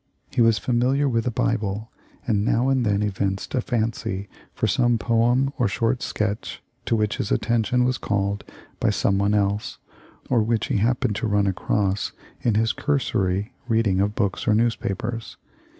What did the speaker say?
He was familiar with the Bible, and now and then evinced a fancy for some poem or short sketch to which his attention was called by some one else, or which he happened to run across in his cursory reading of books or newspapers.